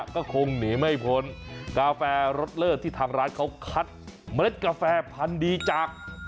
ก็คงหนีไม่พ้นกาแฟรสเลิศที่ทางร้านเขาคัดเมล็ดกาแฟพันธุ์ดีจาก